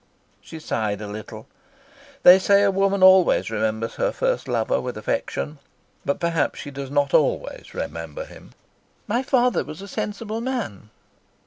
She sighed a little. They say a woman always remembers her first lover with affection; but perhaps she does not always remember him. "My father was a sensible man."